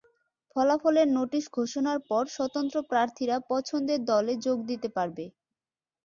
ফলাফলের নোটিশ ঘোষণার পর স্বতন্ত্র প্রার্থীরা পছন্দের দলে যোগ দিতে পারবে।